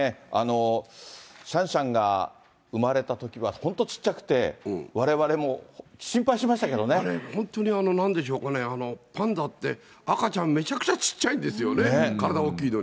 シャンシャンが生まれたときは本当、ちっちゃくて、本当になんでしょうかね、パンダって、赤ちゃんめちゃくちゃちっちゃいんですよね、体大きいのに。